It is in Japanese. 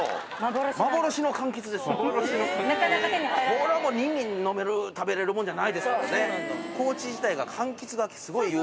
これはもう飲める食べれるもんじゃないですよね。